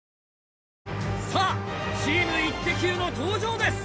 さぁチームイッテＱ！の登場です！